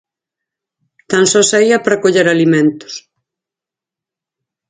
Tan só saía para coller alimentos.